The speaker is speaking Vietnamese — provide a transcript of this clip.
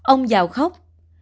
ông giàu khóc